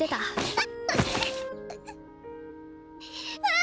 あ。